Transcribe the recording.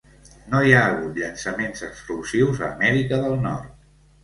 No hi ha hagut llançaments exclusius a Amèrica del Nord.